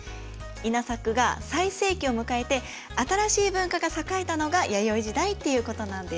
稲作が最盛期を迎えて新しい文化が栄えたのが弥生時代っていうことなんです。